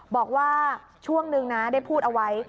บอกว่าช่วงนึงนะได้พูดเอาไว้